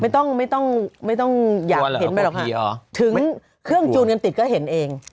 ไม่ต้องไม่ต้องอยากเห็นไปหรอกถึงเครื่องจูนกันติดก็เห็นเอง